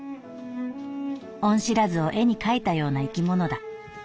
恩知らずを絵に描いたような生き物だ」。